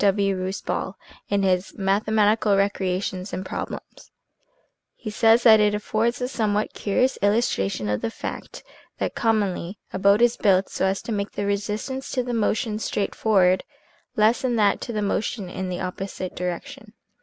W. Rouse Ball, in his " Mathematical Recrea tions and Problems." He says that it " affords a somewhat curious illustration of the fact that commonly a boat is built so as to make the resistance to motion straight forward less than that to motion in the opposite direction.